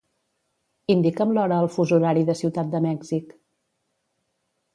Indica'm l'hora al fus horari de Ciutat de Mèxic.